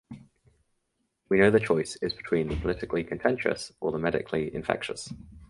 We know the choice is between the politically contentious or the medically infectious.